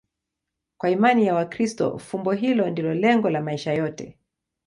Kwa imani ya Wakristo, fumbo hilo ndilo lengo la maisha yote.